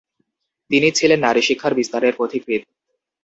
তিনি ছিলেন নারীশিক্ষার বিস্তারের পথিকৃৎ।